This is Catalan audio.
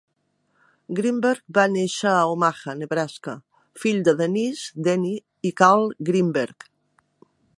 Greenberg va néixer a Omaha, Nebraska, fill de Denise "Denny" i Carl Greenberg.